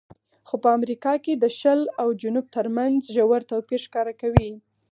خو په امریکا کې د شل او جنوب ترمنځ ژور توپیر ښکاره کوي.